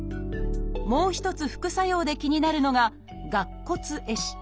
もう一つ副作用で気になるのが「顎骨壊死」。